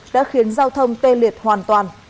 đã khiến giao thông tê liệt hoàn toàn